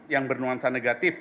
yang bernuansa negatif